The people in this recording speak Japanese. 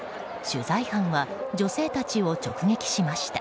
取材班は女性たちを直撃しました。